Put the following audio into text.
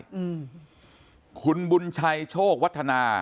คุณบุญชัยโชควัฒนา๗๕๑คุณบุญชายโชควัฒนา